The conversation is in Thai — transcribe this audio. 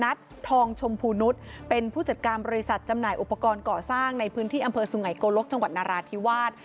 ทองชมพูนุษย์เป็นผู้จัดการบริษัทจำหน่ายอุปกรณ์ก่อสร้างในพื้นที่อำเภอสุไงโกลกจังหวัดนาราธิวาส